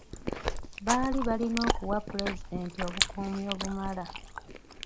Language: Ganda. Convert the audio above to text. Baali balina okuwa pulezidenti obukuumi obumala.